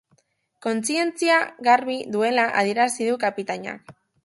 Kontzientzia garbi duela adierazi du kapitainak.